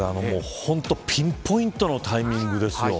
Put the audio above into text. ピンポイントのタイミングですよ。